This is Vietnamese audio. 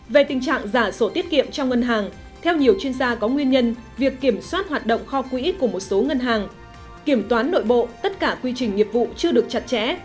về tình trạng giả sổ tiết kiệm trong ngân hàng theo nhiều chuyên gia có nguyên nhân việc kiểm soát hoạt động kho quỹ của một số ngân hàng kiểm toán nội bộ tất cả quy trình nghiệp vụ chưa được chặt chẽ